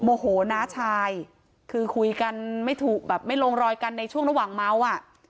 โมโหน้าชายคือคุยกันไม่ถูกแบบไม่ลงรอยกันในช่วงระหว่างเมาอ่ะ